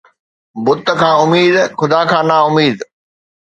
بت کان اميد، خدا کان نااميد